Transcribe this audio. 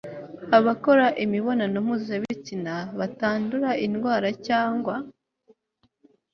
abakora imibonano mpuzabitsina batandura indwara cyangwa